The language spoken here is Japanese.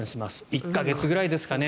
１か月ぐらいですかね。